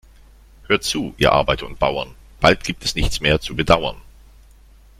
Hört zu, ihr Arbeiter und Bauern, bald gibt es nichts mehr zu bedauern.